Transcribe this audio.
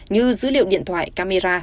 như dữ liệu điện thoại camera